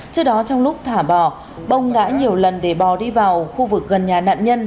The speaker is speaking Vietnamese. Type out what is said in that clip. trước đó trong lúc thả bò bông đã nhiều lần để bò đi vào khu vực gần nhà nạn nhân